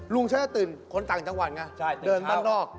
ลุงฉันตื่นคนต่างจังหวัดนะแบบเดินบ้านนอก